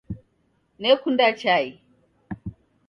Nekunda chai